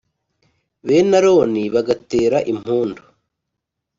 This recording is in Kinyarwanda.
bene Aroni bagatera impundu,